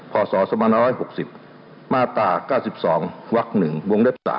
พศ๑๖๐มาตร๙๒ว๑ว๓